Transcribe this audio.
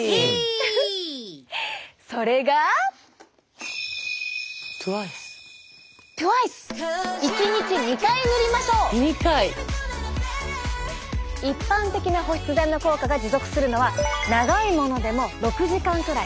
それが一般的な保湿剤の効果が持続するのは長いものでも６時間くらい。